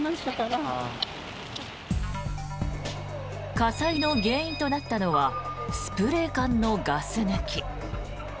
火災の原因となったのはスプレー缶のガス抜き。